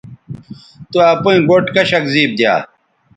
تو اپئیں گوٹھ کشک زیب دیا